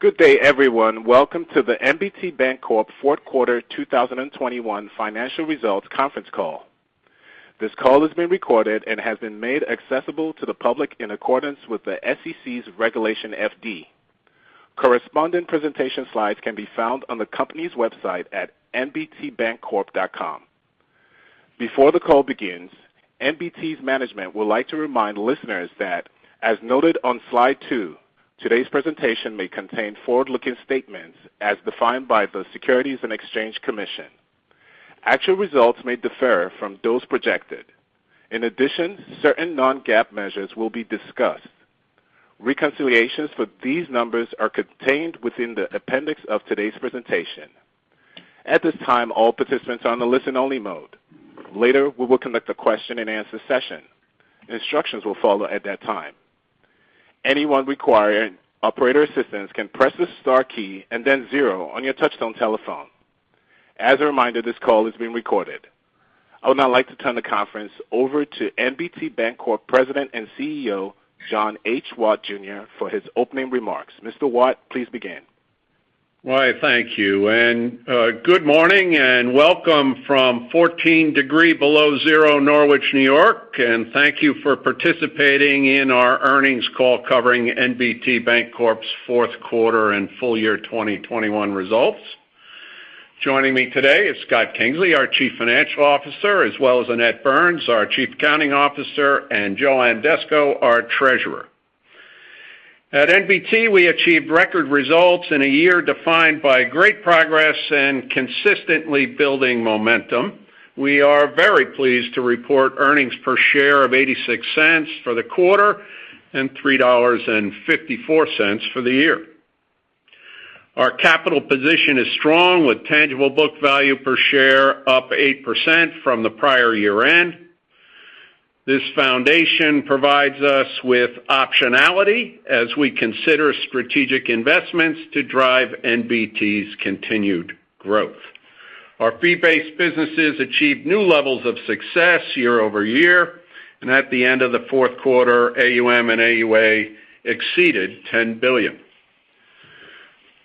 Good day, everyone. Welcome to the NBT Bancorp fourth quarter 2021 financial results conference call. This call is being recorded and has been made accessible to the public in accordance with the SEC's Regulation FD. Corresponding presentation slides can be found on the company's website at nbtbancorp.com. Before the call begins, NBT's management would like to remind listeners that, as noted on slide 2, today's presentation may contain forward-looking statements as defined by the Securities and Exchange Commission. Actual results may differ from those projected. In addition, certain non-GAAP measures will be discussed. Reconciliations for these numbers are contained within the appendix of today's presentation. At this time, all participants are on a listen-only mode. Later, we will conduct a question and answer session. Instructions will follow at that time. Anyone requiring operator assistance can press the star key and then zero on your touch-tone telephone. As a reminder, this call is being recorded. I would now like to turn the conference over to NBT Bancorp President and CEO, John H. Watt Jr., for his opening remarks. Mr. Watt, please begin. Why, thank you. Good morning and welcome from 14 degrees below zero Norwich, New York. Thank you for participating in our earnings call covering NBT Bancorp's fourth quarter and full year 2021 results. Joining me today is Scott Kingsley, our Chief Financial Officer, as well as Annette Burns, our Chief Accounting Officer, and Jo Ann Desko, our Treasurer. At NBT, we achieved record results in a year defined by great progress and consistently building momentum. We are very pleased to report earnings per share of $0.86 for the quarter and $3.54 for the year. Our capital position is strong with tangible book value per share up 8% from the prior year-end. This foundation provides us with optionality as we consider strategic investments to drive NBT's continued growth. Our fee-based businesses achieved new levels of success year over year and at the end of the fourth quarter, AUM and AUA exceeded $10 billion.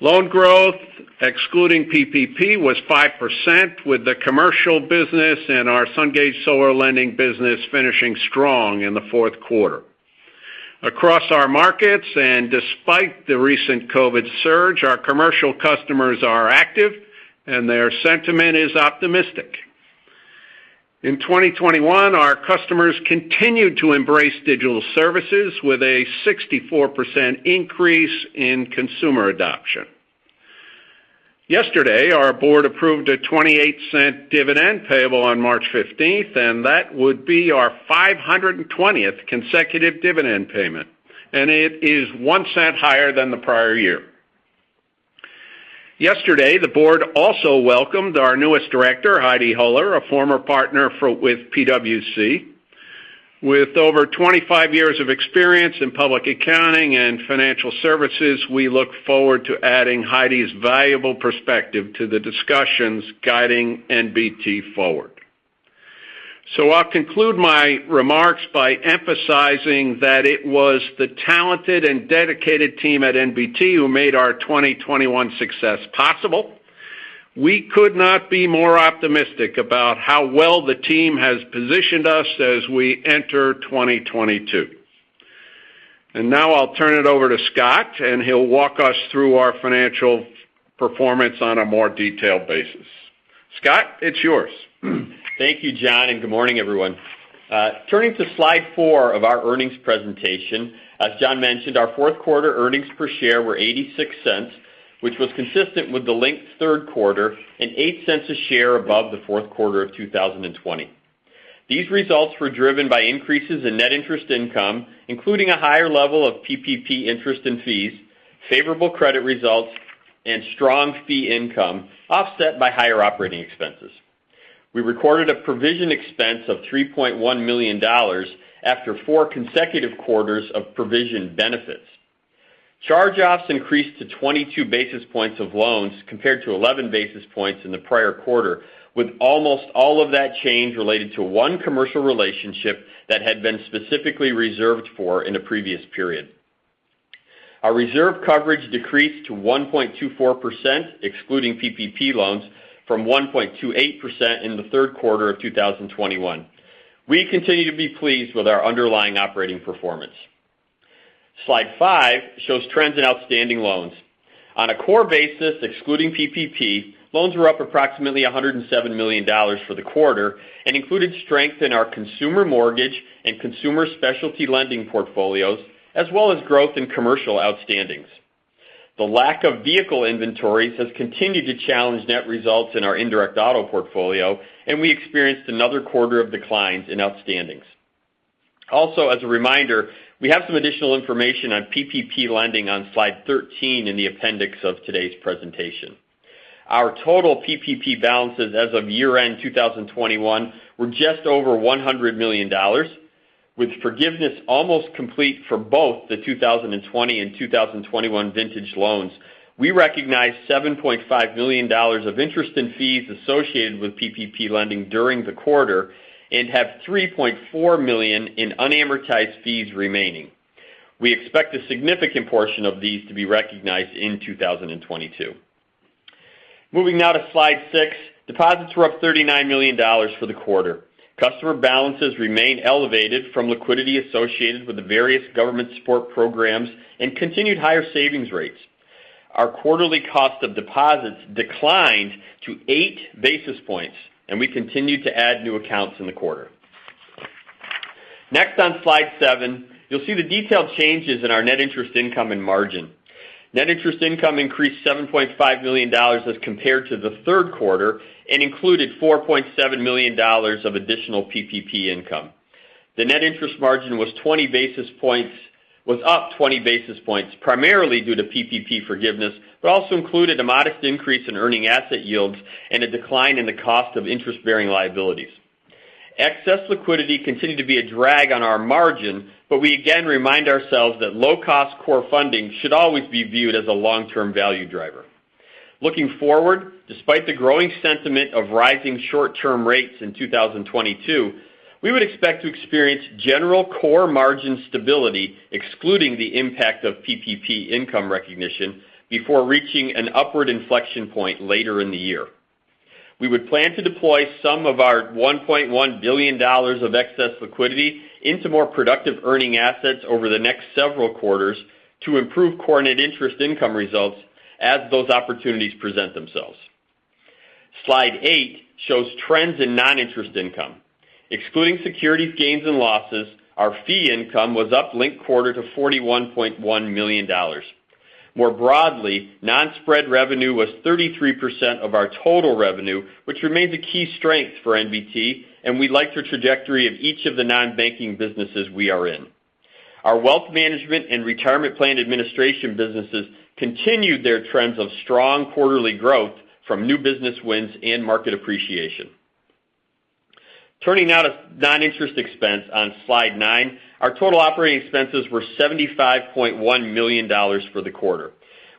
Loan growth, excluding PPP, was 5%, with the commercial business and our Sungage solar lending business finishing strong in the fourth quarter. Across our markets, despite the recent COVID surge, our commercial customers are active and their sentiment is optimistic. In 2021, our customers continued to embrace digital services with a 64% increase in consumer adoption. Yesterday, our board approved a $0.28 dividend payable on March fifteenth, and that would be our 520th consecutive dividend payment, and it is $0.01 higher than the prior year. Yesterday, the board also welcomed our newest director, Heidi M. Hoeller, a former partner with PwC. With over 25 years of experience in public accounting and financial services, we look forward to adding Heidi's valuable perspective to the discussions guiding NBT forward. I'll conclude my remarks by emphasizing that it was the talented and dedicated team at NBT who made our 2021 success possible. We could not be more optimistic about how well the team has positioned us as we enter 2022. Now I'll turn it over to Scott, and he'll walk us through our financial performance on a more detailed basis. Scott, it's yours. Thank you, John, and good morning, everyone. Turning to slide 4 of our earnings presentation. As John mentioned, our fourth quarter earnings per share were $0.86, which was consistent with the linked third quarter and $0.08 a share above the fourth quarter of 2020. These results were driven by increases in net interest income, including a higher level of PPP interest and fees, favorable credit results, and strong fee income offset by higher operating expenses. We recorded a provision expense of $3.1 million after four consecutive quarters of provision benefits. Charge-offs increased to 22 basis points of loans compared to 11 basis points in the prior quarter, with almost all of that change related to one commercial relationship that had been specifically reserved for in a previous period. Our reserve coverage decreased to 1.24%, excluding PPP loans, from 1.28% in the third quarter of 2021. We continue to be pleased with our underlying operating performance. Slide 5 shows trends in outstanding loans. On a core basis, excluding PPP, loans were up approximately $107 million for the quarter and included strength in our consumer mortgage and consumer specialty lending portfolios, as well as growth in commercial outstandings. The lack of vehicle inventories has continued to challenge net results in our indirect auto portfolio, and we experienced another quarter of declines in outstandings. Also, as a reminder, we have some additional information on PPP lending on Slide 13 in the appendix of today's presentation. Our total PPP balances as of year-end 2021 were just over $100 million, with forgiveness almost complete for both the 2020 and 2021 vintage loans. We recognized $7.5 million of interest and fees associated with PPP lending during the quarter and have $3.4 million in unamortized fees remaining. We expect a significant portion of these to be recognized in 2022. Moving now to slide 6. Deposits were up $39 million for the quarter. Customer balances remain elevated from liquidity associated with the various government support programs and continued higher savings rates. Our quarterly cost of deposits declined to 8 basis points, and we continued to add new accounts in the quarter. Next, on slide 7, you'll see the detailed changes in our net interest income and margin. Net interest income increased $7.5 million as compared to the third quarter and included $4.7 million of additional PPP income. The net interest margin was up 20 basis points, primarily due to PPP forgiveness, but also included a modest increase in earning asset yields and a decline in the cost of interest-bearing liabilities. Excess liquidity continued to be a drag on our margin, but we again remind ourselves that low-cost core funding should always be viewed as a long-term value driver. Looking forward, despite the growing sentiment of rising short-term rates in 2022, we would expect to experience general core margin stability, excluding the impact of PPP income recognition, before reaching an upward inflection point later in the year. We would plan to deploy some of our $1.1 billion of excess liquidity into more productive earning assets over the next several quarters to improve core net interest income results as those opportunities present themselves. Slide 8 shows trends in non-interest income. Excluding securities gains and losses, our fee income was up, linked quarter, to $41.1 million. More broadly, non-spread revenue was 33% of our total revenue, which remains a key strength for NBT, and we like the trajectory of each of the non-banking businesses we are in. Our wealth management and retirement plan administration businesses continued their trends of strong quarterly growth from new business wins and market appreciation. Turning now to non-interest expense on Slide 9. Our total operating expenses were $75.1 million for the quarter.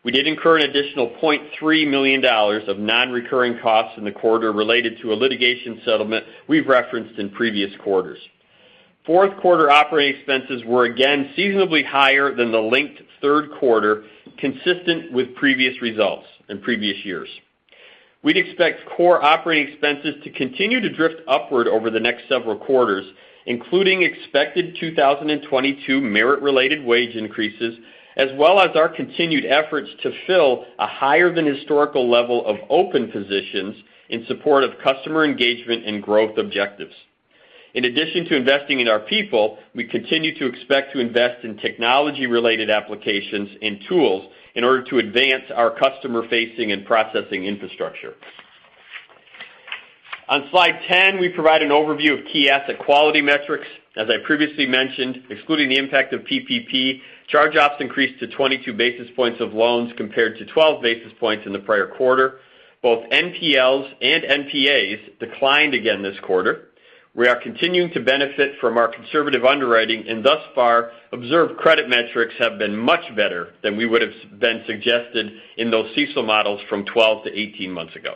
We did incur an additional $0.3 million of non-recurring costs in the quarter related to a litigation settlement we've referenced in previous quarters. Fourth quarter operating expenses were again seasonally higher than the linked third quarter, consistent with previous results in previous years. We'd expect core operating expenses to continue to drift upward over the next several quarters, including expected 2022 merit-related wage increases, as well as our continued efforts to fill a higher than historical level of open positions in support of customer engagement and growth objectives. In addition to investing in our people, we continue to expect to invest in technology-related applications and tools in order to advance our customer-facing and processing infrastructure. On slide 10, we provide an overview of key asset quality metrics. As I previously mentioned, excluding the impact of PPP, charge-offs increased to 22 basis points of loans compared to 12 basis points in the prior quarter. Both NPLs and NPAs declined again this quarter. We are continuing to benefit from our conservative underwriting, and thus far, observed credit metrics have been much better than suggested in those CECL models from 12-18 months ago.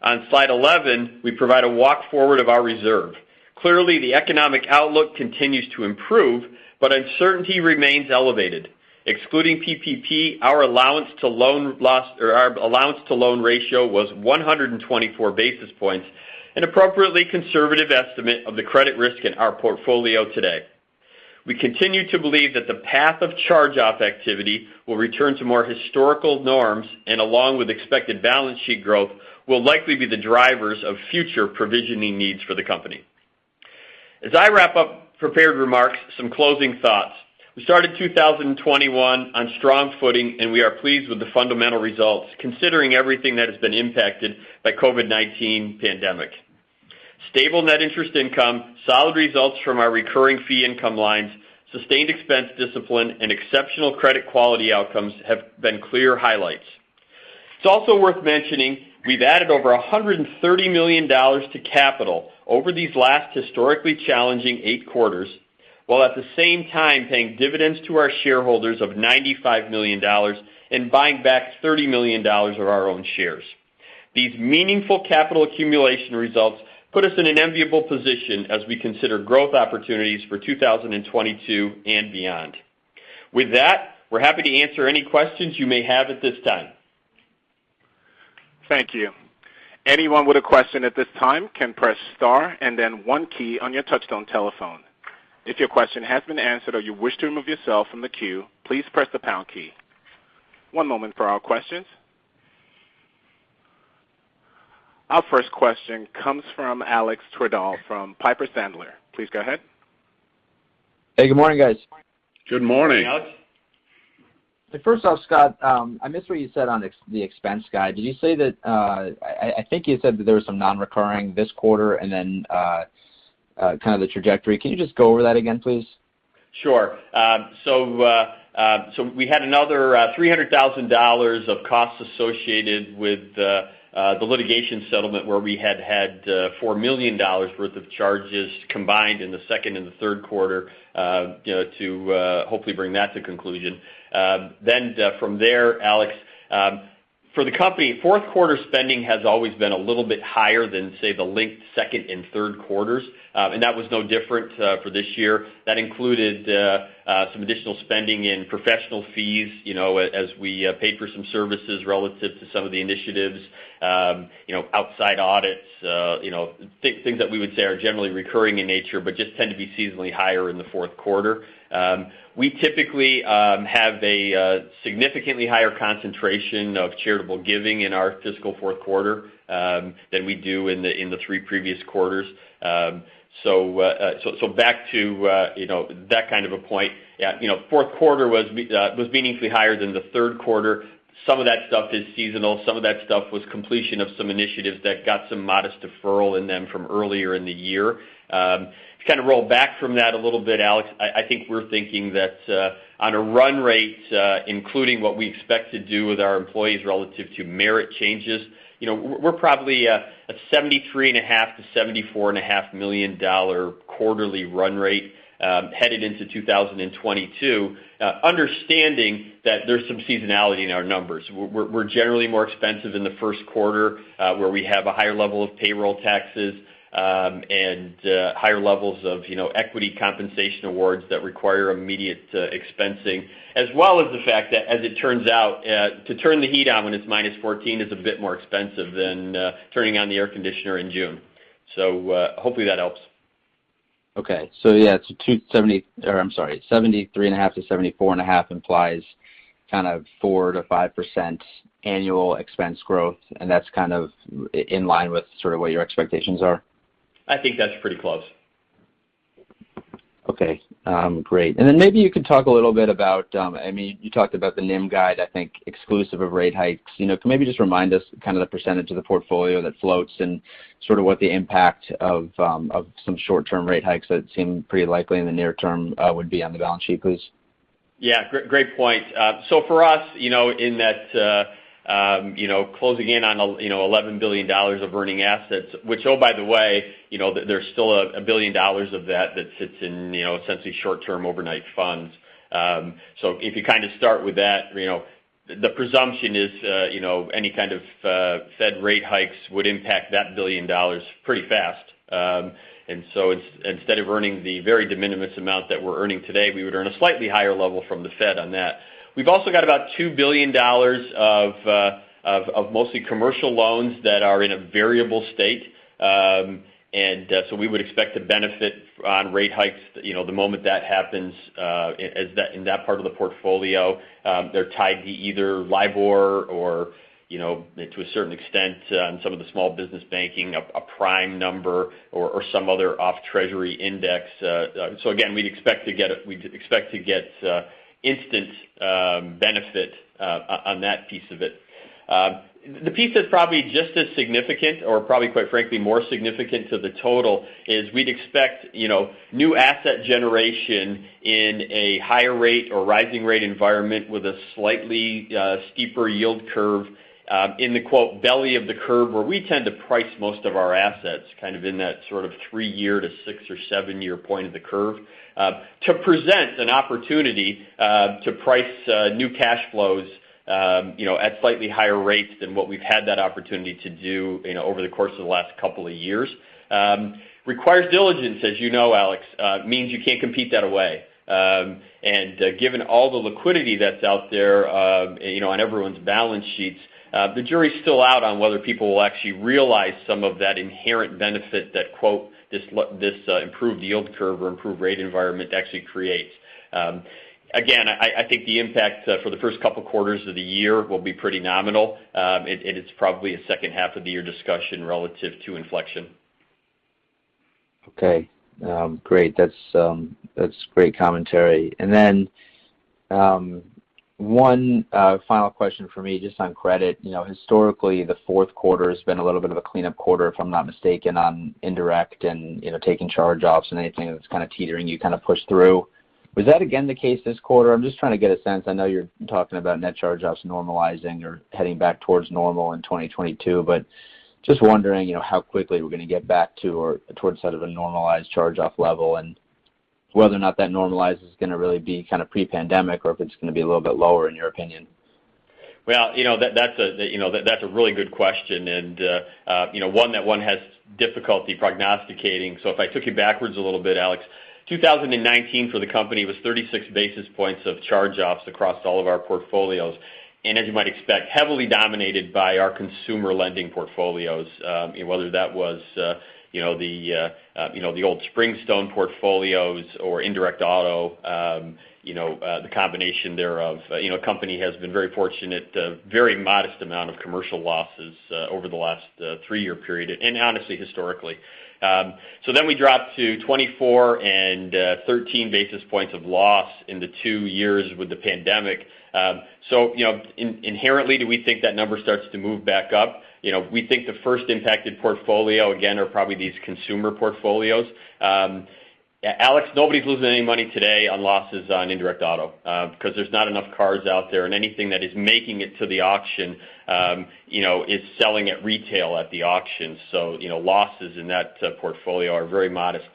On slide 11, we provide a walk forward of our reserve. Clearly, the economic outlook continues to improve, but uncertainty remains elevated. Excluding PPP, our allowance for loan loss, or our allowance-to-loan ratio, was 124 basis points, an appropriately conservative estimate of the credit risk in our portfolio today. We continue to believe that the path of charge-off activity will return to more historical norms and, along with expected balance sheet growth, will likely be the drivers of future provisioning needs for the company. As I wrap up prepared remarks, some closing thoughts. We started 2021 on strong footing, and we are pleased with the fundamental results, considering everything that has been impacted by COVID-19 pandemic. Stable net interest income, solid results from our recurring fee income lines, sustained expense discipline, and exceptional credit quality outcomes have been clear highlights. It's also worth mentioning we've added over $130 million to capital over these last historically challenging eight quarters, while at the same time paying dividends to our shareholders of $95 million and buying back $30 million of our own shares. These meaningful capital accumulation results put us in an enviable position as we consider growth opportunities for 2022 and beyond. With that, we're happy to answer any questions you may have at this time. Thank you. Anyone with a question at this time can press star and then one key on your touchtone telephone. If your question has been answered or you wish to remove yourself from the queue, please press the pound key. One moment for our questions. Our first question comes from Alex Twerdahl from Piper Sandler. Please go ahead. Hey, good morning, guys. Good morning. First off, Scott, I missed what you said on the expense guide. Did you say that? I think you said that there was some non-recurring this quarter and then kind of the trajectory. Can you just go over that again, please? Sure. So we had another $300,000 of costs associated with the litigation settlement where we had had $4 million worth of charges combined in the second and the third quarter, you know, to hopefully bring that to conclusion. Then, from there, Alex, for the company, fourth quarter spending has always been a little bit higher than, say, the linked second and third quarters. That was no different for this year. That included some additional spending in professional fees, you know, as we paid for some services relative to some of the initiatives. You know, outside audits, you know, things that we would say are generally recurring in nature but just tend to be seasonally higher in the fourth quarter. We typically have a significantly higher concentration of charitable giving in our fiscal fourth quarter than we do in the three previous quarters. Back to, you know, that kind of a point. Yeah, you know, fourth quarter was meaningfully higher than the third quarter. Some of that stuff is seasonal. Some of that stuff was completion of some initiatives that got some modest deferral in them from earlier in the year. To kind of roll back from that a little bit, Alex, I think we're thinking that on a run rate, including what we expect to do with our employees relative to merit changes, you know, we're probably a $73.5 million-$74.5 million quarterly run rate headed into 2022, understanding that there's some seasonality in our numbers. We're generally more expensive in the first quarter, where we have a higher level of payroll taxes and higher levels of, you know, equity compensation awards that require immediate expensing, as well as the fact that as it turns out, to turn the heat on when it's minus 14 is a bit more expensive than turning on the air conditioner in June. Hopefully that helps. Okay. Yeah, it's 73.5 to 74.5, which implies kind of 4%-5% annual expense growth, and that's kind of in line with sort of what your expectations are? I think that's pretty close. Okay. Great. Maybe you could talk a little bit about, I mean, you talked about the NIM guide, I think exclusive of rate hikes. You know, can you maybe just remind us kind of the percentage of the portfolio that floats and sort of what the impact of some short-term rate hikes that seem pretty likely in the near term would be on the balance sheet, please? Yeah, great point. So for us, you know, in that, closing in on $11 billion of earning assets, which, oh, by the way, you know, there's still a $1 billion of that that sits in, you know, essentially short-term overnight funds. So if you kind of start with that, you know, the presumption is, you know, any kind of Fed rate hikes would impact that $1 billion pretty fast. And so instead of earning the very de minimis amount that we're earning today, we would earn a slightly higher level from the Fed on that. We've also got about $2 billion of mostly commercial loans that are in a variable rate. We would expect to benefit on rate hikes, you know, the moment that happens in that part of the portfolio. They're tied to either LIBOR or, you know, to a certain extent on some of the small business banking, a prime number or some other off Treasury index. We'd expect to get instant benefit on that piece of it. The piece that's probably just as significant or probably quite frankly more significant to the total is we'd expect, you know, new asset generation in a higher rate or rising rate environment with a slightly steeper yield curve in the quote, belly of the curve, where we tend to price most of our assets kind of in that sort of 3-year to 6- or 7-year point of the curve to present an opportunity to price new cash flows, you know, at slightly higher rates than what we've had that opportunity to do, you know, over the course of the last couple of years. Requires diligence, as you know, Alex. Means you can't compete that away. Given all the liquidity that's out there, you know, on everyone's balance sheets, the jury's still out on whether people will actually realize some of that inherent benefit that this improved yield curve or improved rate environment actually creates. Again, I think the impact for the first couple quarters of the year will be pretty nominal. It is probably a second half of the year discussion relative to inflection. Okay. Great. That's great commentary. One final question from me just on credit. You know, historically, the fourth quarter has been a little bit of a cleanup quarter, if I'm not mistaken, on indirect and, you know, taking charge-offs and anything that's kind of teetering you kind of push through. Was that again the case this quarter? I'm just trying to get a sense. I know you're talking about net charge-offs normalizing or heading back towards normal in 2022, but just wondering, you know, how quickly we're gonna get back to or towards sort of a normalized charge-off level and whether or not that normalization is gonna really be kind of pre-pandemic or if it's gonna be a little bit lower in your opinion. Well, you know, that's a really good question and, you know, one that has difficulty prognosticating. If I took you backwards a little bit, Alex, 2019 for the company was 36 basis points of charge-offs across all of our portfolios. As you might expect, heavily dominated by our consumer lending portfolios, whether that was, you know, the old Springstone portfolios or indirect auto, you know, the combination thereof. You know, company has been very fortunate, very modest amount of commercial losses, over the last three-year period and honestly historically. We dropped to 24 and 13 basis points of loss in the two years with the pandemic. You know, inherently, do we think that number starts to move back up? You know, we think the first impacted portfolio again are probably these consumer portfolios. Yeah, Alex, nobody's losing any money today on losses on indirect auto, because there's not enough cars out there, and anything that is making it to the auction, you know, is selling at retail at the auction. So, you know, losses in that portfolio are very modest.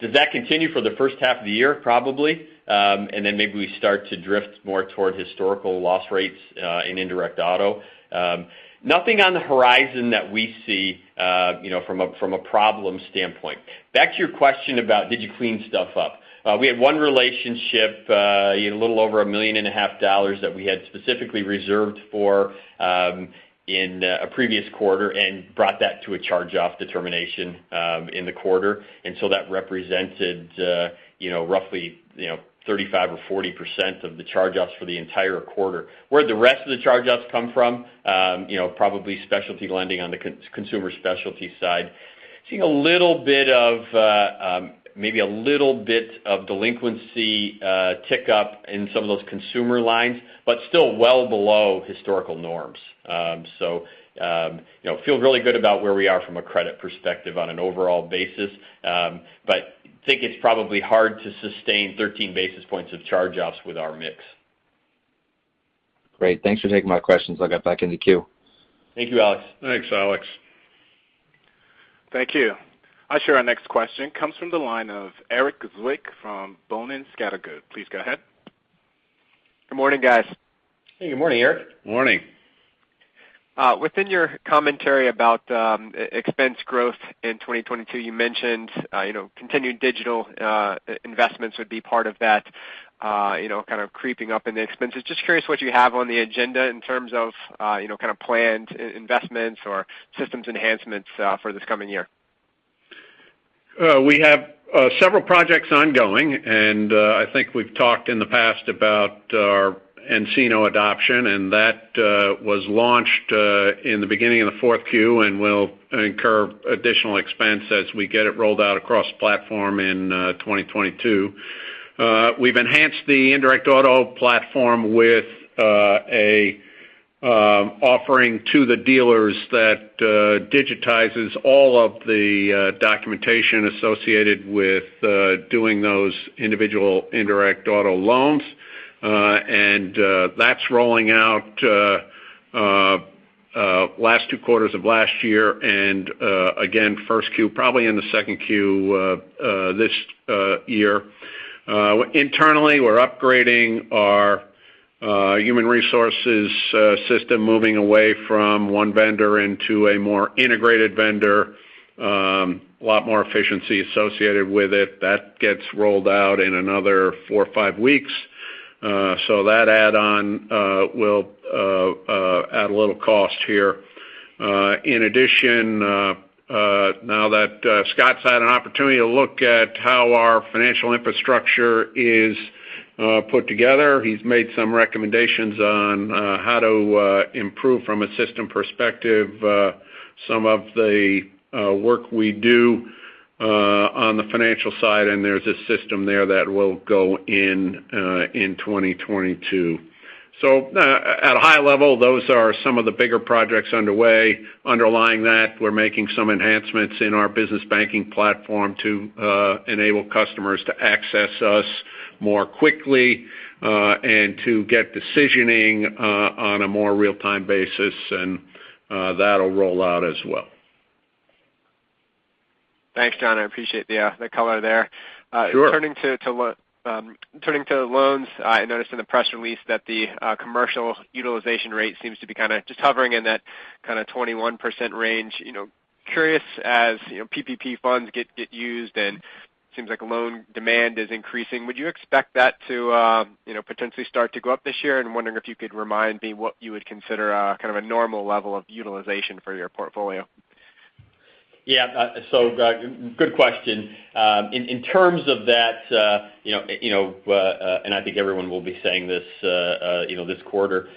Does that continue for the first half of the year? Probably. Then maybe we start to drift more toward historical loss rates in indirect auto. Nothing on the horizon that we see, you know, from a problem standpoint. Back to your question about did you clean stuff up? We had one relationship, a little over $1.5 million that we had specifically reserved for in a previous quarter and brought that to a charge-off determination in the quarter. That represented, you know, roughly, you know, 35% or 40% of the charge-offs for the entire quarter. Where'd the rest of the charge-offs come from? You know, probably specialty lending on the consumer specialty side. Seeing a little bit of maybe a little bit of delinquency tick up in some of those consumer lines, but still well below historical norms. You know, feel really good about where we are from a credit perspective on an overall basis. But think it's probably hard to sustain 13 basis points of charge-offs with our mix. Great. Thanks for taking my questions. I'll get back in the queue. Thank you, Alex. Thanks, Alex. Thank you. Our next question comes from the line of Erik Zwick from Boenning & Scattergood. Please go ahead. Good morning, guys. Hey, good morning, Erik. Morning. Within your commentary about expense growth in 2022, you mentioned, you know, continued digital investments would be part of that, you know, kind of creeping up in the expenses. Just curious what you have on the agenda in terms of, you know, kind of planned investments or systems enhancements for this coming year. We have several projects ongoing, and I think we've talked in the past about our nCino adoption, and that was launched in the beginning of the fourth Q, and we'll incur additional expense as we get it rolled out across the platform in 2022. We've enhanced the indirect auto platform with a offering to the dealers that digitizes all of the documentation associated with doing those individual indirect auto loans. That's rolling out last two quarters of last year and again first Q, probably in the second Q this year. Internally, we're upgrading our human resources system, moving away from one vendor into a more integrated vendor. A lot more efficiency associated with it. That gets rolled out in another 4 or 5 weeks. That add-on will add a little cost here. In addition, now that Scott's had an opportunity to look at how our financial infrastructure is put together, he's made some recommendations on how to improve from a system perspective some of the work we do on the financial side, and there's a system there that will go in in 2022. At a high level, those are some of the bigger projects underway. Underlying that, we're making some enhancements in our business banking platform to enable customers to access us more quickly and to get decisioning on a more real-time basis, and that'll roll out as well. Thanks, John. I appreciate the color there. Sure. Turning to loans, I noticed in the press release that the commercial utilization rate seems to be kind of just hovering in that kind of 21% range. You know, curious as you know, PPP funds get used, and seems like loan demand is increasing, would you expect that to potentially start to go up this year? Wondering if you could remind me what you would consider kind of a normal level of utilization for your portfolio. Yeah, good question. In terms of that, you know, and I think everyone will be saying this, you know, this quarter,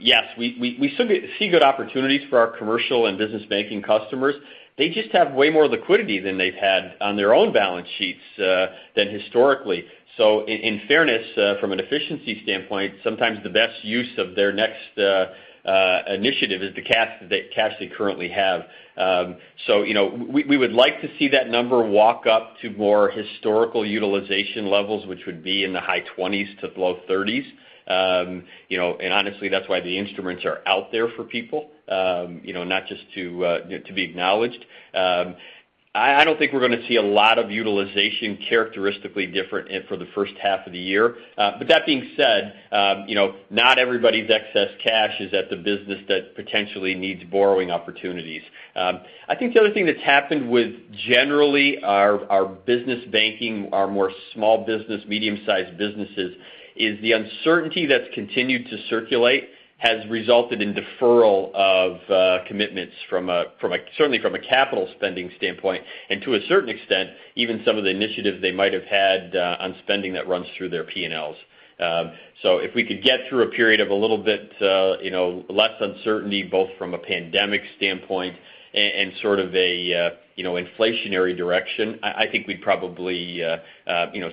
yes, we still see good opportunities for our commercial and business banking customers. They just have way more liquidity than they've had on their own balance sheets than historically. In fairness, from an efficiency standpoint, sometimes the best use of their next initiative is the cash they currently have. You know, we would like to see that number walk up to more historical utilization levels, which would be in the high twenties to low thirties. You know, honestly, that's why the instruments are out there for people, you know, not just to be acknowledged. I don't think we're gonna see a lot of utilization characteristically different for the first half of the year. That being said, you know, not everybody's excess cash is at the business that potentially needs borrowing opportunities. I think the other thing that's happened with generally our business banking, our more small business, medium-sized businesses, is the uncertainty that's continued to circulate has resulted in deferral of commitments certainly from a capital spending standpoint, and to a certain extent, even some of the initiatives they might have had on spending that runs through their P&Ls. If we could get through a period of a little bit, you know, less uncertainty, both from a pandemic standpoint and sort of a, you know, inflationary direction, I think we'd probably, you know,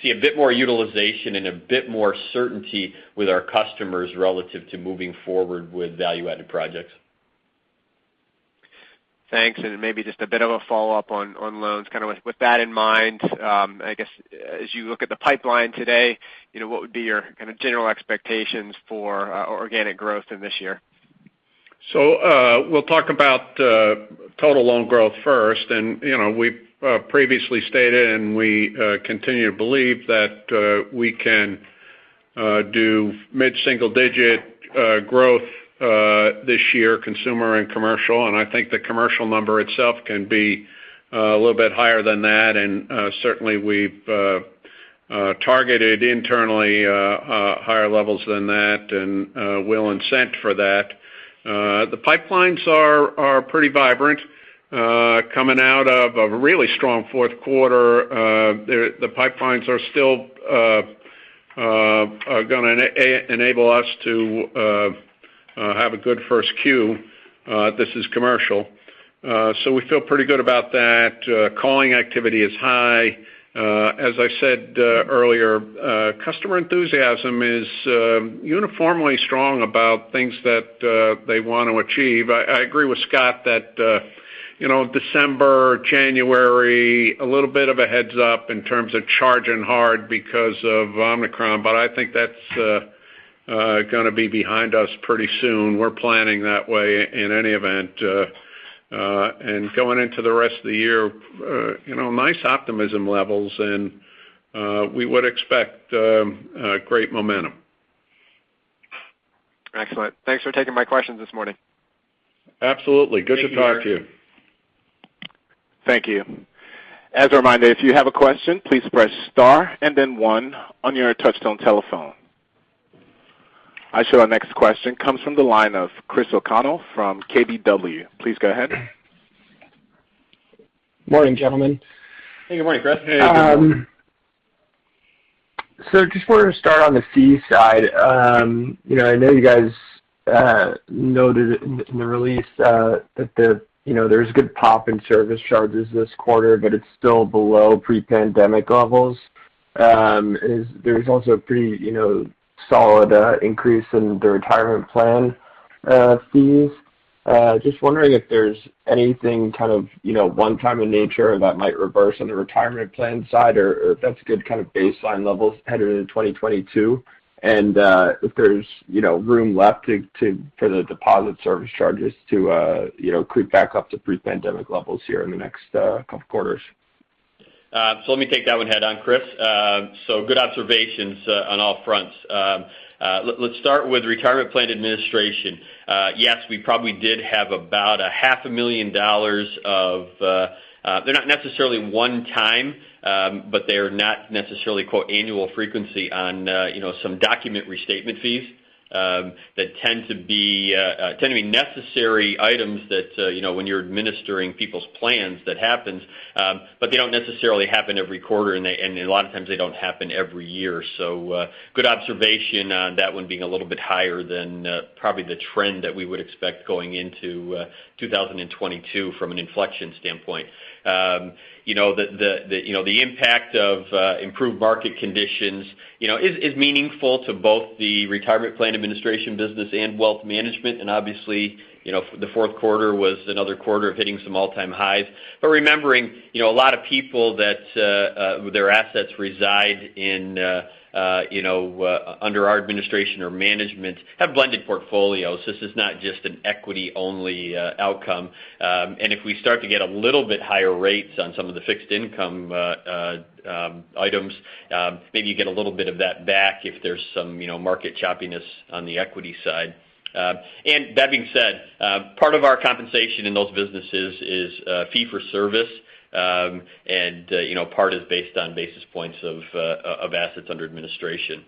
see a bit more utilization and a bit more certainty with our customers relative to moving forward with value-added projects. Thanks. Maybe just a bit of a follow-up on loans. Kinda with that in mind, I guess, as you look at the pipeline today, you know, what would be your kind of general expectations for organic growth in this year? We'll talk about total loan growth first. You know, we've previously stated, and we continue to believe that we can do mid-single digit growth this year, consumer and commercial. I think the commercial number itself can be a little bit higher than that. Certainly we've targeted internally higher levels than that and will incent for that. The pipelines are pretty vibrant coming out of a really strong fourth quarter. The pipelines are still gonna enable us to have a good first Q. This is commercial. We feel pretty good about that. Calling activity is high. As I said earlier, customer enthusiasm is uniformly strong about things that they want to achieve. I agree with Scott that, you know, December, January, a little bit of a heads-up in terms of charging hard because of Omicron, but I think that's gonna be behind us pretty soon. We're planning that way in any event. Going into the rest of the year, you know, nice optimism levels and we would expect great momentum. Excellent. Thanks for taking my questions this morning. Absolutely. Good to talk to you. Thank you. As a reminder, if you have a question, please press star and then one on your touchtone telephone. Our next question comes from the line of Chris O'Connell from KBW. Please go ahead. Morning, gentlemen. Hey, good morning, Chris. Hey. So just wanted to start on the fee side. You know, I know you guys noted in the release that there's good pop in service charges this quarter, but it's still below pre-pandemic levels. There's also a pretty solid increase in the retirement plan fees. Just wondering if there's anything kind of one-time in nature that might reverse on the retirement plan side, or if that's a good kind of baseline levels headed into 2022. If there's room left for the deposit service charges to creep back up to pre-pandemic levels here in the next couple quarters. Let me take that one head on, Chris. Good observations on all fronts. Let's start with retirement plan administration. Yes, we probably did have about a half a million dollars of, they're not necessarily one time, but they are not necessarily quote annual frequency on, you know, some document restatement fees, that tend to be necessary items that, you know, when you're administering people's plans that happens. But they don't necessarily happen every quarter, and a lot of times they don't happen every year. Good observation on that one being a little bit higher than, probably the trend that we would expect going into 2022 from an inflection standpoint. You know, the impact of improved market conditions, you know, is meaningful to both the retirement plan administration business and wealth management. Obviously, you know, the fourth quarter was another quarter of hitting some all-time highs. Remembering, you know, a lot of people that their assets reside in, you know, under our administration or management have blended portfolios. This is not just an equity-only outcome. If we start to get a little bit higher rates on some of the fixed income items, maybe you get a little bit of that back if there's some, you know, market choppiness on the equity side. That being said, part of our compensation in those businesses is fee for service. You know, part is based on basis points of assets under administration.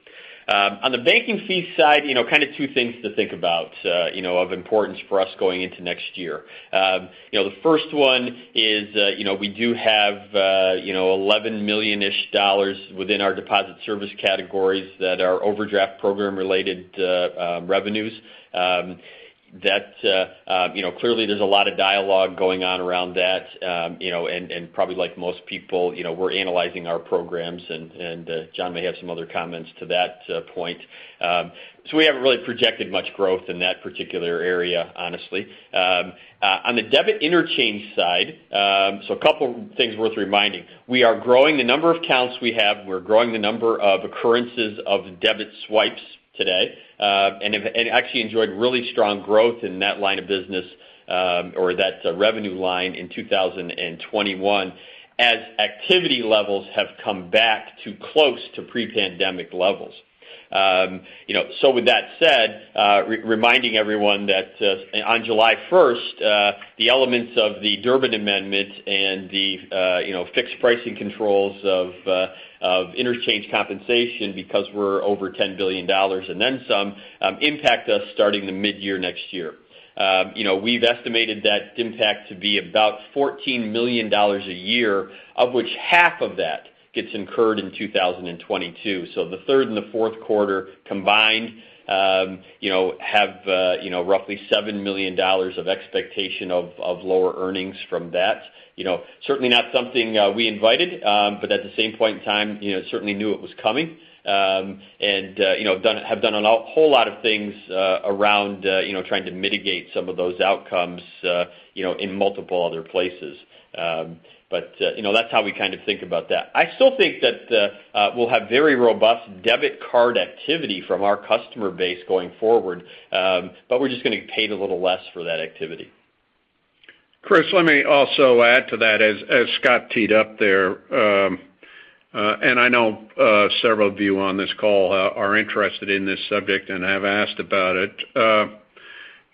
On the banking fee side, you know, kind of two things to think about of importance for us going into next year. You know, the first one is, you know, we do have $11 million-ish within our deposit service categories that are overdraft program-related revenues. You know, clearly there's a lot of dialogue going on around that. You know, and probably like most people, you know, we're analyzing our programs, and John may have some other comments to that point. We haven't really projected much growth in that particular area, honestly. On the debit interchange side, a couple things worth reminding. We are growing the number of accounts we have. We're growing the number of occurrences of debit swipes today, and actually enjoyed really strong growth in that line of business, or that revenue line in 2021 as activity levels have come back to close to pre-pandemic levels. You know, with that said, reminding everyone that on July 1, the elements of the Durbin Amendment and the, you know, fixed pricing controls of of interchange compensation because we're over $10 billion and then some, impact us starting mid-year next year. You know, we've estimated that impact to be about $14 million a year, of which half of that gets incurred in 2022. The third and the fourth quarter combined, you know, have you know, roughly $7 million of expectation of lower earnings from that. You know, certainly not something we invited, but at the same point in time, you know, certainly knew it was coming. You know, have done a whole lot of things around you know, trying to mitigate some of those outcomes you know, in multiple other places. You know, that's how we kind of think about that. I still think that we'll have very robust debit card activity from our customer base going forward, but we're just gonna get paid a little less for that activity. Chris, let me also add to that as Scott teed up there. I know several of you on this call are interested in this subject and have asked about it. You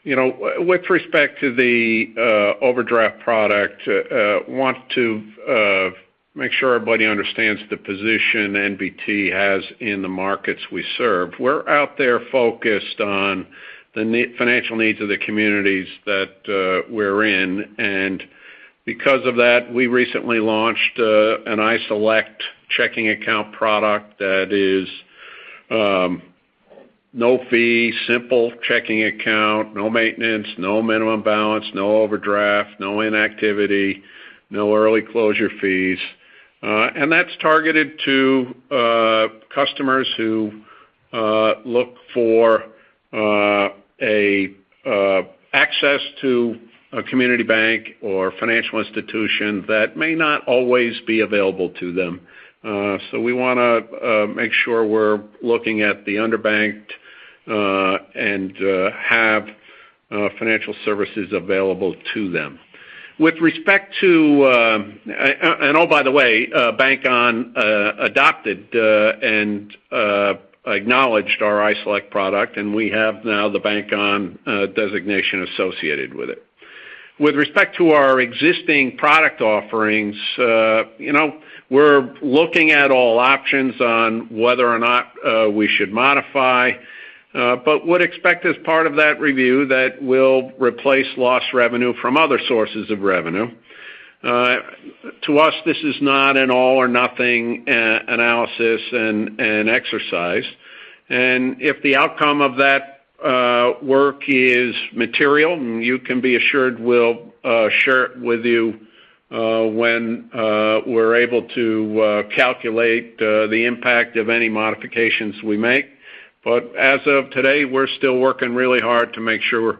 know, with respect to the overdraft product, I want to make sure everybody understands the position NBT has in the markets we serve. We're out there focused on the financial needs of the communities that we're in. Because of that, we recently launched an iSelect checking account product that is no fee, simple checking account, no maintenance, no minimum balance, no overdraft, no inactivity, no early closure fees. That's targeted to customers who look for access to a community bank or financial institution that may not always be available to them. We want to make sure we're looking at the underbanked and have financial services available to them. By the way, Bank On adopted and acknowledged our iSelect product, and we have now the Bank On designation associated with it. With respect to our existing product offerings, you know, we're looking at all options on whether or not we should modify. We would expect as part of that review that we'll replace lost revenue from other sources of revenue. To us, this is not an all-or-nothing analysis and exercise. If the outcome of that work is material, you can be assured we'll share it with you when we're able to calculate the impact of any modifications we make. As of today, we're still working really hard to make sure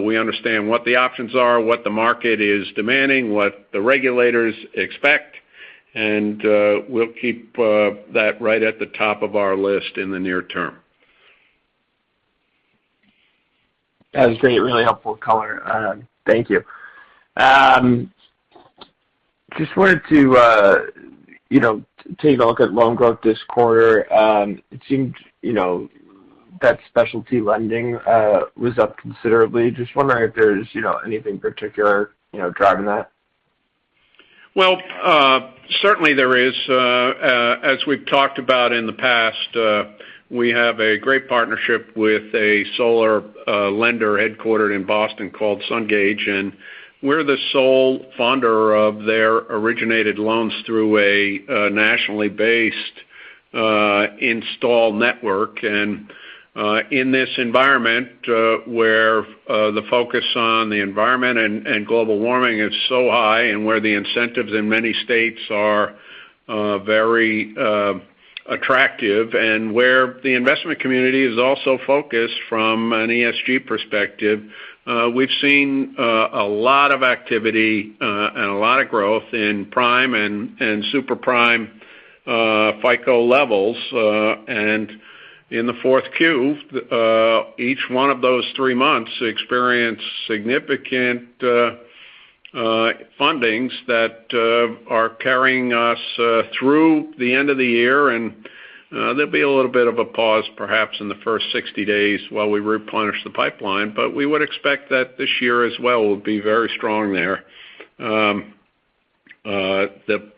we understand what the options are, what the market is demanding, what the regulators expect, and we'll keep that right at the top of our list in the near term. That's great. Really helpful color. Thank you. Just wanted to, you know, take a look at loan growth this quarter. It seemed, you know, that specialty lending was up considerably. Just wondering if there's, you know, anything particular, you know, driving that. Well, certainly there is. As we've talked about in the past, we have a great partnership with a solar lender headquartered in Boston called Sungage, and we're the sole funder of their originated loans through a nationally based install network. In this environment, where the focus on the environment and global warming is so high and where the incentives in many states are very attractive and where the investment community is also focused from an ESG perspective, we've seen a lot of activity and a lot of growth in prime and super prime FICO levels. In the fourth Q, each one of those three months experienced significant fundings that are carrying us through the end of the year. There'll be a little bit of a pause perhaps in the first 60 days while we replenish the pipeline. We would expect that this year as well will be very strong there. The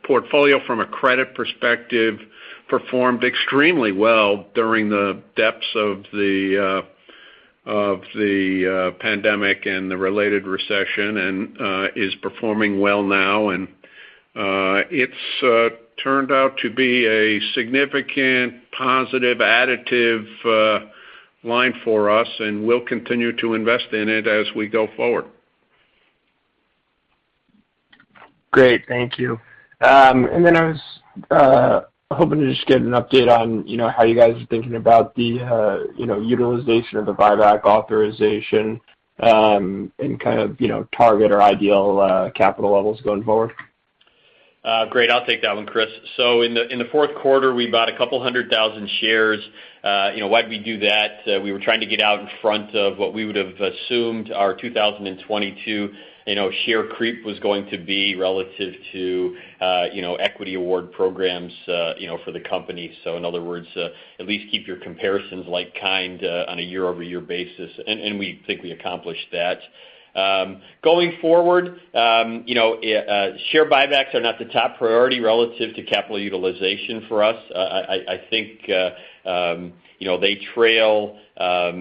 portfolio from a credit perspective performed extremely well during the depths of the pandemic and the related recession and is performing well now. It's turned out to be a significant positive additive line for us, and we'll continue to invest in it as we go forward. Great. Thank you. I was hoping to just get an update on, you know, how you guys are thinking about the, you know, utilization of the buyback authorization, and kind of, you know, target or ideal, capital levels going forward? Great. I'll take that one, Chris. In the fourth quarter, we bought 200,000 shares. You know, why'd we do that? We were trying to get out in front of what we would have assumed our 2022, you know, share creep was going to be relative to, you know, equity award programs, you know, for the company. In other words, at least keep your comparisons like kind on a year-over-year basis. We think we accomplished that. Going forward, you know, share buybacks are not the top priority relative to capital utilization for us. I think, you know, they trail,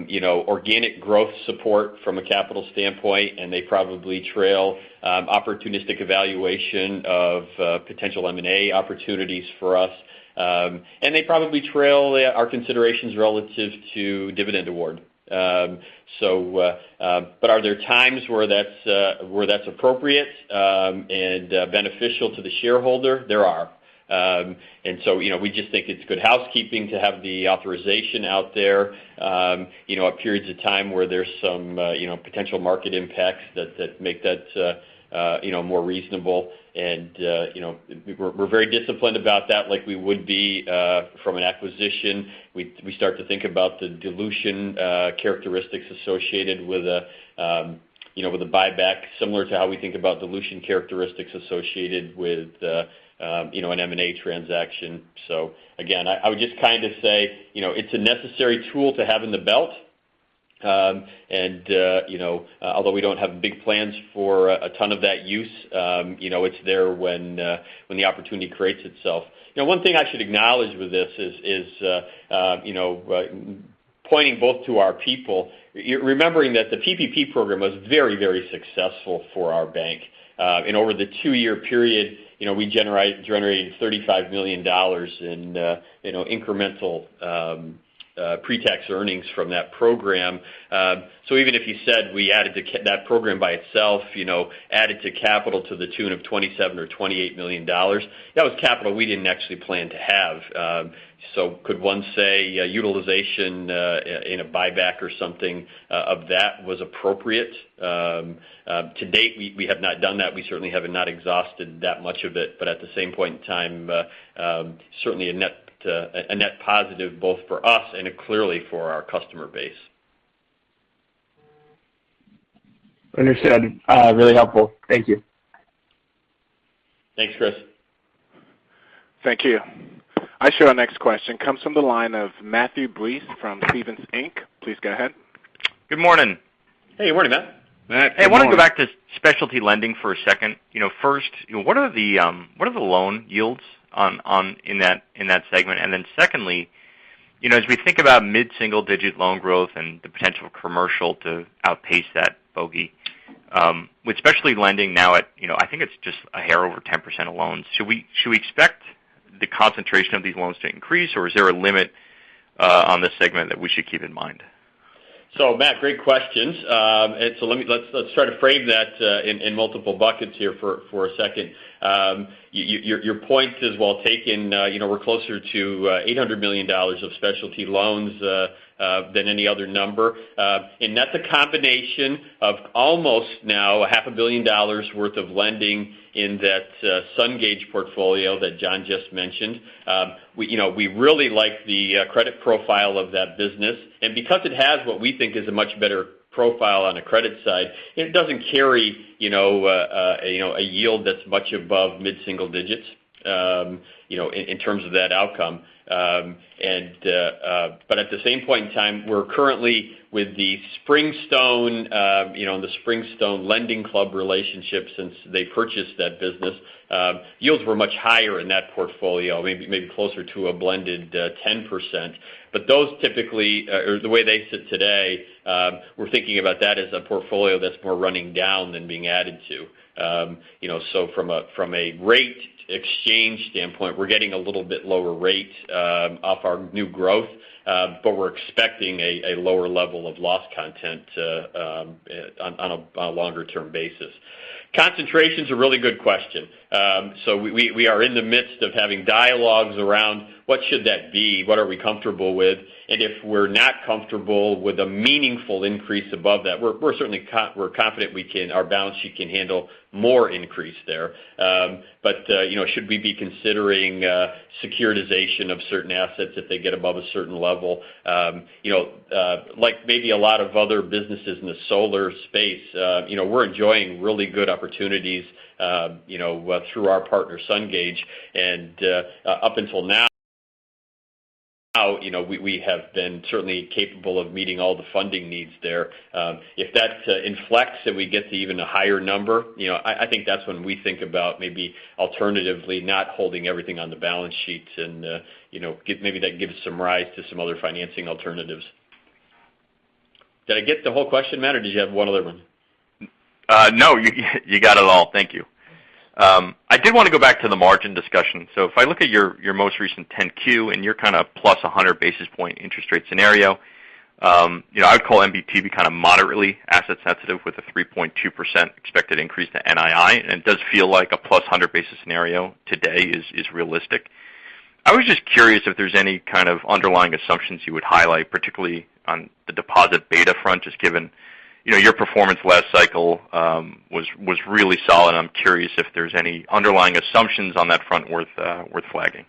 you know, organic growth support from a capital standpoint, and they probably trail opportunistic evaluation of potential M&A opportunities for us. They probably trail our considerations relative to dividend award. Are there times where that's appropriate and beneficial to the shareholder? There are. You know, we just think it's good housekeeping to have the authorization out there, you know, at periods of time where there's some, you know, potential market impacts that make that, you know, more reasonable. You know, we're very disciplined about that like we would be from an acquisition. We start to think about the dilution characteristics associated with a buyback similar to how we think about dilution characteristics associated with, you know, an M&A transaction. I would just kind of say, you know, it's a necessary tool to have in the belt. You know, although we don't have big plans for a ton of that use, you know, it's there when the opportunity creates itself. You know, one thing I should acknowledge with this is pointing both to our people, remembering that the PPP program was very, very successful for our bank. Over the two-year period, you know, we generated $35 million in incremental pre-tax earnings from that program. Even if you said we added to that program by itself, you know, added to capital to the tune of $27 million or $28 million, that was capital we didn't actually plan to have. Could one say utilization in a buyback or something of that was appropriate. To date, we have not done that. We certainly have not exhausted that much of it, but at the same point in time, certainly a net positive both for us and clearly for our customer base. Understood. Really helpful. Thank you. Thanks, Chris. Thank you. Our next question comes from the line of Matthew Breese from Stephens Inc. Please go ahead. Good morning. Hey, good morning, Matt. Matt, good morning. I want to go back to specialty lending for a second. You know, first, what are the loan yields on in that segment? Secondly, you know, as we think about mid-single-digit loan growth and the potential commercial to outpace that bogey, with specialty lending now at, you know, I think it's just a hair over 10% of loans. Should we expect the concentration of these loans to increase, or is there a limit on this segment that we should keep in mind? Matt, great questions. Let's try to frame that in multiple buckets here for a second. Your points is well taken. You know, we're closer to $800 million of specialty loans than any other number. That's a combination of almost now a half a billion dollars worth of lending in that Sungage portfolio that John just mentioned. You know, we really like the credit profile of that business. Because it has what we think is a much better profile on the credit side, it doesn't carry you know a yield that's much above mid-single digits you know in terms of that outcome. At the same point in time, we're currently with the Springstone, you know, the Springstone LendingClub relationship since they purchased that business. Yields were much higher in that portfolio, maybe closer to a blended 10%. Those typically, or the way they sit today, we're thinking about that as a portfolio that's more running down than being added to. You know, from a rate exchange standpoint, we're getting a little bit lower rate off our new growth, but we're expecting a lower level of loss content on a longer-term basis. Concentration is a really good question. So we are in the midst of having dialogues around what should that be, what are we comfortable with, and if we're not comfortable with a meaningful increase above that, we're certainly confident our balance sheet can handle more increase there. But you know, should we be considering securitization of certain assets if they get above a certain level? You know, like maybe a lot of other businesses in the solar space, you know, we're enjoying really good opportunities, you know, through our partner, Sungage. Up until now, you know, we have been certainly capable of meeting all the funding needs there. If that inflects and we get to even a higher number, you know, I think that's when we think about maybe alternatively not holding everything on the balance sheet and, you know, maybe that gives some rise to some other financing alternatives. Did I get the whole question, Matt, or did you have one other one? No, you got it all. Thank you. I did want to go back to the margin discussion. If I look at your most recent 10-Q and your kind of plus 100 basis point interest rate scenario, you know, I would call NBT be kind of moderately asset sensitive with a 3.2% expected increase to NII. It does feel like a plus 100 basis point scenario today is realistic. I was just curious if there's any kind of underlying assumptions you would highlight, particularly on the deposit beta front, just given, you know, your performance last cycle was really solid. I'm curious if there's any underlying assumptions on that front worth flagging.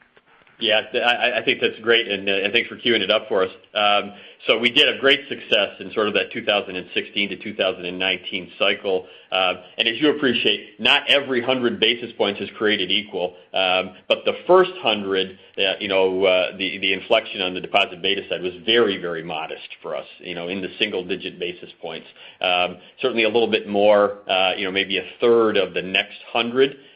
Yeah. I think that's great, and thanks for cueing it up for us. So we did great success in sort of that 2016-2019 cycle. As you appreciate, not every hundred basis points is created equal. The first hundred, you know, the inflection on the deposit beta side was very modest for us, you know, in the single digit basis points. Certainly a little bit more, you know, maybe a third of the next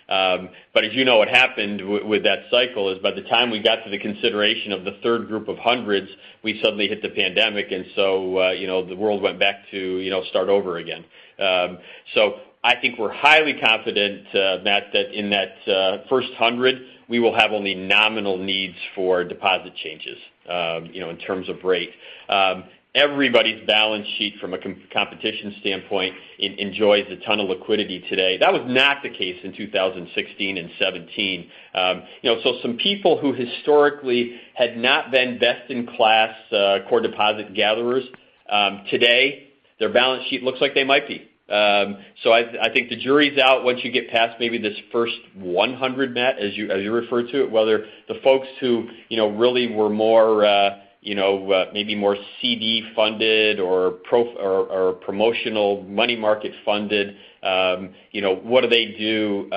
hundred. As you know, what happened with that cycle is by the time we got to the consideration of the third group of hundreds, we suddenly hit the pandemic. The world went back to, you know, start over again. I think we're highly confident, Matt, that in that first 100, we will have only nominal needs for deposit changes, you know, in terms of rate. Everybody's balance sheet from a competition standpoint enjoys a ton of liquidity today. That was not the case in 2016 and 2017. You know, some people who historically had not been best in class core deposit gatherers, today their balance sheet looks like they might be. I think the jury's out once you get past maybe this first 100, Matt, as you refer to it, whether the folks who, you know, really were more, you know, maybe more CD funded or promotional money market funded, you know, what do they do,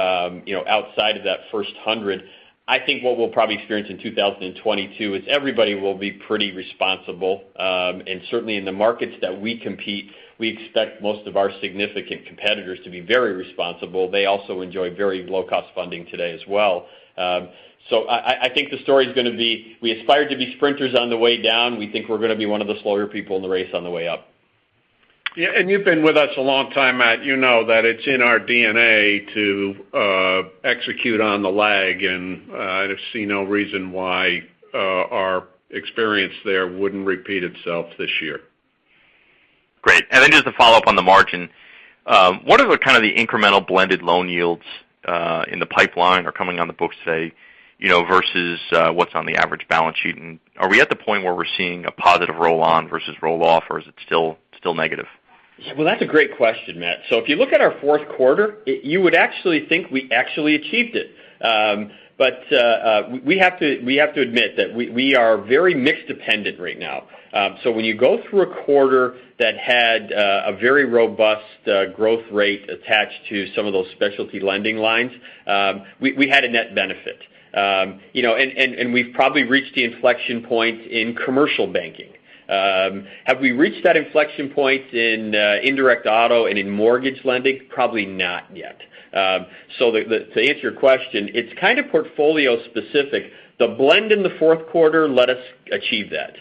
you know, outside of that first 100? I think what we'll probably experience in 2022 is everybody will be pretty responsible. Certainly in the markets that we compete, we expect most of our significant competitors to be very responsible. They also enjoy very low-cost funding today as well. I think the story's gonna be, we aspire to be sprinters on the way down. We think we're gonna be one of the slower people in the race on the way up. Yeah. You've been with us a long time, Matt. You know that it's in our DNA to execute on the lag, and I see no reason why our experience there wouldn't repeat itself this year. Great. Then just a follow-up on the margin. What are the kind of the incremental blended loan yields in the pipeline or coming on the books, say, you know, versus what's on the average balance sheet? And are we at the point where we're seeing a positive roll-on versus roll-off, or is it still negative? Well, that's a great question, Matt. If you look at our fourth quarter, you would actually think we actually achieved it. We have to admit that we are very mix dependent right now. When you go through a quarter that had a very robust growth rate attached to some of those specialty lending lines, we had a net benefit. You know, we've probably reached the inflection point in commercial banking. Have we reached that inflection point in indirect auto and in mortgage lending? Probably not yet. To answer your question, it's kind of portfolio specific. The blend in the fourth quarter let us achieve that.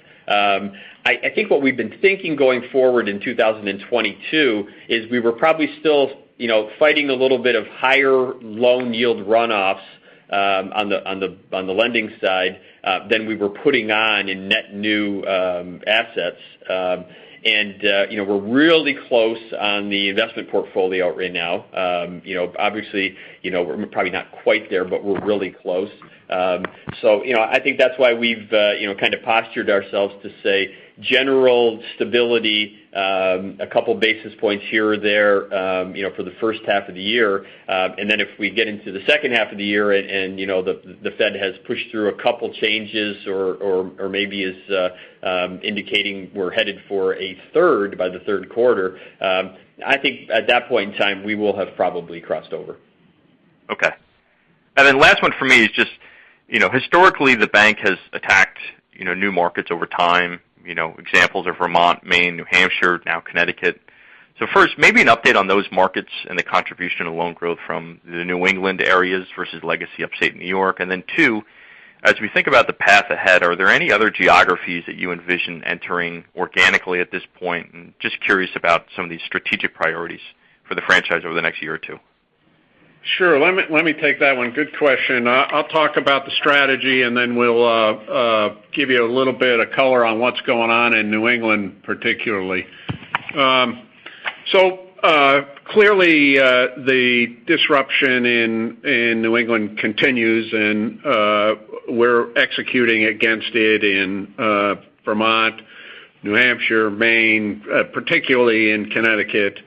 I think what we've been thinking going forward in 2022 is we were probably still, you know, fighting a little bit of higher loan yield runoffs on the lending side than we were putting on in net new assets. You know, we're really close on the investment portfolio right now. You know, obviously, you know, we're probably not quite there, but we're really close. You know, I think that's why we've, you know, kind of postured ourselves to say general stability, a couple basis points here or there, you know, for the first half of the year. If we get into the second half of the year, you know, the Fed has pushed through a couple changes or maybe is indicating we're headed for a third by the third quarter, I think at that point in time, we will have probably crossed over. Okay. Last one for me is just, you know, historically, the bank has attacked, you know, new markets over time. You know, examples are Vermont, Maine, New Hampshire, now Connecticut. First, maybe an update on those markets and the contribution of loan growth from the New England areas versus legacy upstate New York. Two, as we think about the path ahead, are there any other geographies that you envision entering organically at this point? Just curious about some of these strategic priorities for the franchise over the next year or two. Sure. Let me take that one. Good question. I'll talk about the strategy, and then we'll give you a little bit of color on what's going on in New England, particularly. So, clearly, the disruption in New England continues, and we're executing against it in Vermont, New Hampshire, Maine, particularly in Connecticut.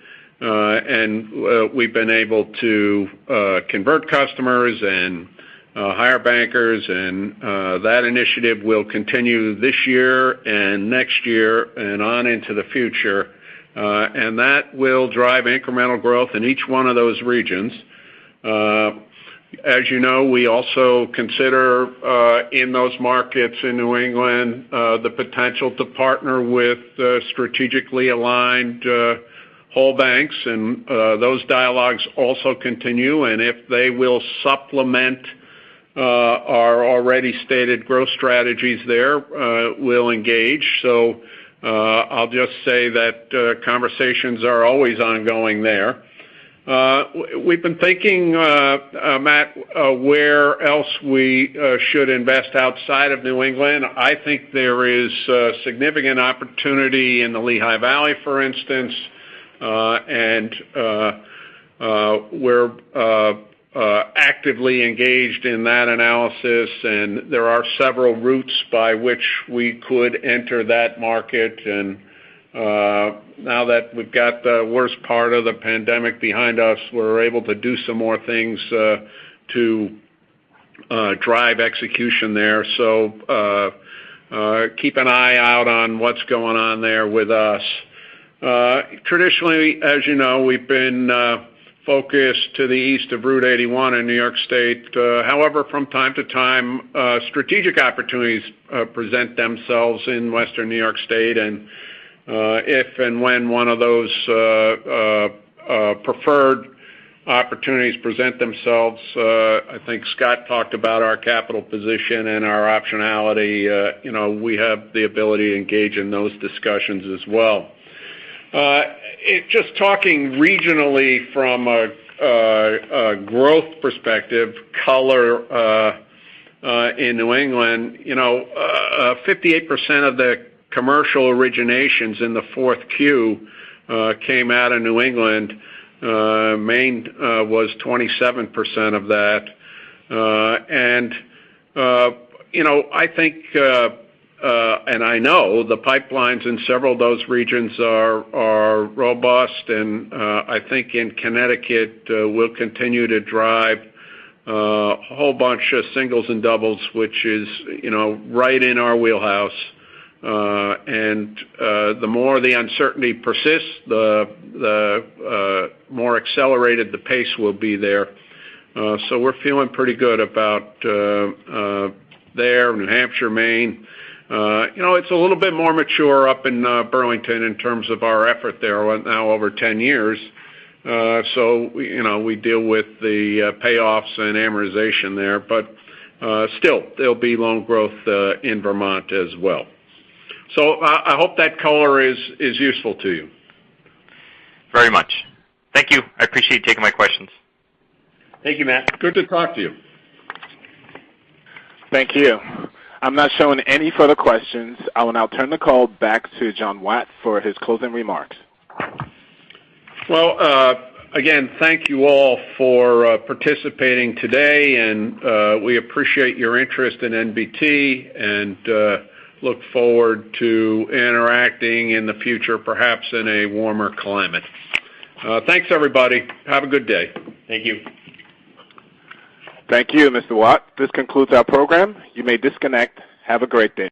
We've been able to convert customers and hire bankers, and that initiative will continue this year and next year and on into the future. That will drive incremental growth in each one of those regions. As you know, we also consider, in those markets in New England, the potential to partner with strategically aligned whole banks. Those dialogues also continue. If they will supplement our already stated growth strategies there, we'll engage. I'll just say that conversations are always ongoing there. We've been thinking, Matt, where else we should invest outside of New England. I think there is significant opportunity in the Lehigh Valley, for instance, and we're actively engaged in that analysis, and there are several routes by which we could enter that market. Now that we've got the worst part of the pandemic behind us, we're able to do some more things to drive execution there. Keep an eye out on what's going on there with us. Traditionally, as you know, we've been focused to the east of Route 81 in New York State. However, from time to time, strategic opportunities present themselves in western New York State. If and when one of those preferred opportunities present themselves, I think Scott talked about our capital position and our optionality. You know, we have the ability to engage in those discussions as well. Just talking regionally from a growth perspective color in New England, you know, 58% of the commercial originations in the fourth Q came out of New England. Maine was 27% of that. You know, I think and I know the pipelines in several of those regions are robust. I think in Connecticut, we'll continue to drive a whole bunch of singles and doubles, which is, you know, right in our wheelhouse. The more the uncertainty persists, the more accelerated the pace will be there. We're feeling pretty good about there, New Hampshire, Maine. You know, it's a little bit more mature up in Burlington in terms of our effort there now over 10 years. You know, we deal with the payoffs and amortization there. Still, there'll be loan growth in Vermont as well. I hope that color is useful to you. Very much. Thank you. I appreciate you taking my questions. Thank you, Matt. Good to talk to you. Thank you. I'm not showing any further questions. I will now turn the call back to John H. Watt Jr. for his closing remarks. Well, again, thank you all for participating today, and we appreciate your interest in NBT and look forward to interacting in the future, perhaps in a warmer climate. Thanks, everybody. Have a good day. Thank you. Thank you, Mr. Watt. This concludes our program. You may disconnect. Have a great day.